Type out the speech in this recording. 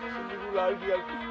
seminggu lagi aku